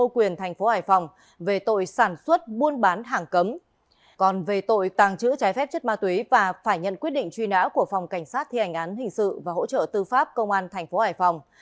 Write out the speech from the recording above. quyết định truy nã của phòng cảnh sát thi hành án hình sự và hỗ trợ tư pháp công an tp hải phòng